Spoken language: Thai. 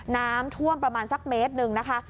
น้ำท่วมประมาณสักเมตรหนึ่งนะคะ